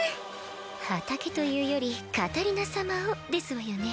畑というよりカタリナ様をですわよね。